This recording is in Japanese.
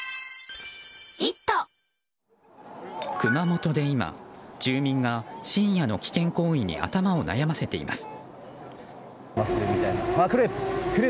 熊本で今住民が深夜の危険行為に頭を悩ませています。